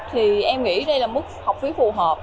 thì em nghĩ đây là mức học phí phù hợp